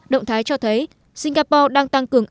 động thái cho thấy singapore đang tăng cường